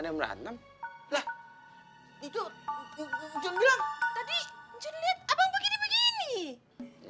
tadi ucon liat abang begini begini